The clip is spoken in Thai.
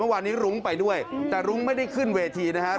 เมื่อวานนี้รุ้งไปด้วยแต่รุ้งไม่ได้ขึ้นเวทีนะครับ